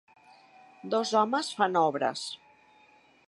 Dos homes fan obres.